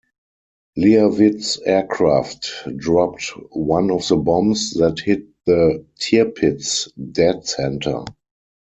Leavitt's aircraft dropped one of the bombs that hit the "Tirpitz" dead centre.